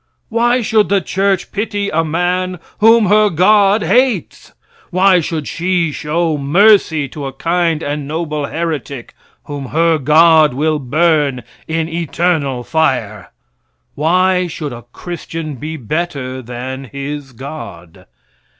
Why should the church pity a man whom her God hates? Why should she show mercy to a kind and noble heretic whom her God will burn in eternal fire? Why should a Christian be better than his God?